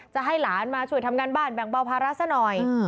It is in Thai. จะให้หลานมาช่วยทำงานบ้านแบ่งเบาภาระซะหน่อย